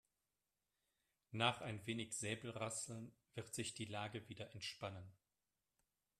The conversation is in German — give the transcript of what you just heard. Nach ein wenig Säbelrasseln wird sich die Lage wieder entspannen.